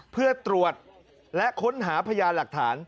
เพื่อตรวจและค้นหาพยานหลักฐาน